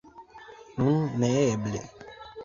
Nun neeble!